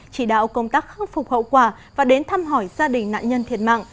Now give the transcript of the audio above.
chỉ đạo công tác khắc phục hậu quả và đến thăm hỏi gia đình nạn nhân thiệt mạng